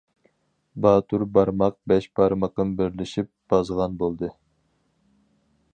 باتۇر بارماق بەش بارمىقىم بىرلىشىپ، بازغان بولدى.